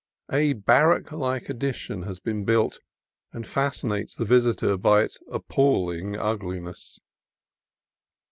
A barrack like addition has been built, and fascinates the visitor by its ap palling ugliness.